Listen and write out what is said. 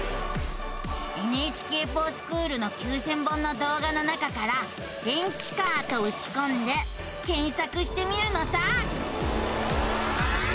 「ＮＨＫｆｏｒＳｃｈｏｏｌ」の９，０００本の動画の中から「電池カー」とうちこんで検索してみるのさ。